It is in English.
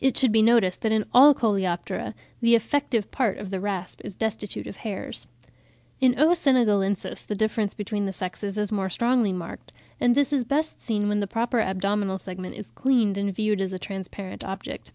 It should be noticed that in all Coleoptera the effective part of the rasp is destitute of hairs. In O. senegalensis the difference between the sexes is more strongly marked, and this is best seen when the proper abdominal segment is cleaned and viewed as a transparent object.